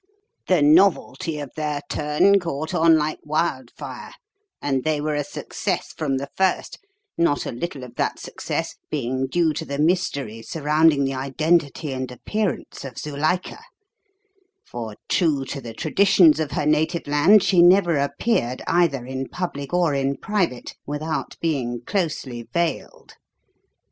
"The novelty of their 'turn' caught on like wild fire, and they were a success from the first, not a little of that success being due to the mystery surrounding the identity and appearance of Zuilika; for, true to the traditions of her native land, she never appeared, either in public or in private, without being closely veiled.